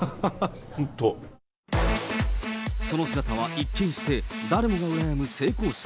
その姿は一見して、誰もがうらやむ成功者。